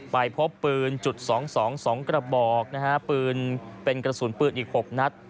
ไปพบปืนจุด๒๒กระบอกนะฮะปืนเป็นกระสุนปืนอีก๖นัด